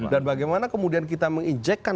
dan bagaimana kemudian kita menginjekkan